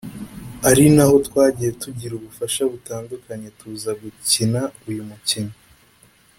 ari naho twagiye tugira ubufasha butandukanye tuza gukina uyu mukino